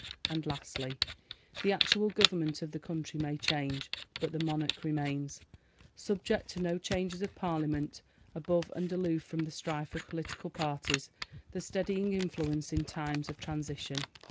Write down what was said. And lastly, the actual Government of the country may change but the Monarch remains, subject to no changes of Parliament, above and aloof from the strife of political parties, the steadying influence in times of transition.